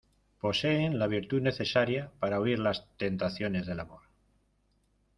poseen la virtud necesaria para huir las tentaciones del amor.